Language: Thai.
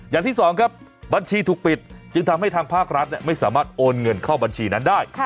อย่างที่สองครับบัญชีถูกปิดจึงทำให้ทางภาครัฐไม่สามารถโอนเงินเข้าบัญชีนั้นได้